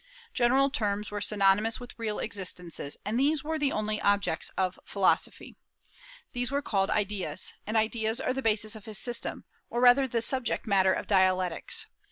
General terms were synonymous with real existences, and these were the only objects of philosophy. These were called Ideas; and ideas are the basis of his system, or rather the subject matter of dialectics.